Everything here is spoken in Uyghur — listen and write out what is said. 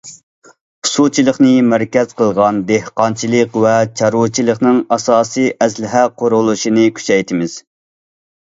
سۇچىلىقنى مەركەز قىلغان دېھقانچىلىق ۋە چارۋىچىلىقنىڭ ئاساسىي ئەسلىھە قۇرۇلۇشىنى كۈچەيتىمىز.